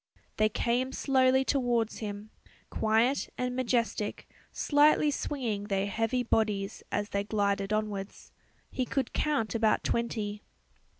They came slowly towards him, quiet and majestic, slightly swinging their heavy bodies as they glided onwards. He could count about twenty.